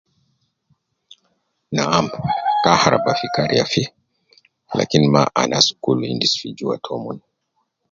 Na am, kaharaba fi kariya fi, lakin ma anas kul endis fi jua tomon